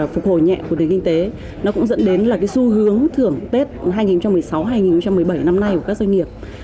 phục hồi nhẹ của nền kinh tế nó cũng dẫn đến là cái xu hướng thưởng tết hai nghìn một mươi sáu hai nghìn một mươi bảy năm nay của các doanh nghiệp